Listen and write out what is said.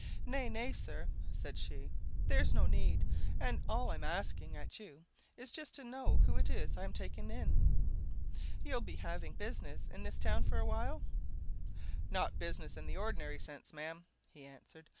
"Nay, nay, sir!" said she. "There's no need. And all I'm asking at you is just to know who it is I'm taking in. You'll be having business in the town for a while?" "Not business in the ordinary sense, ma'am," he answered.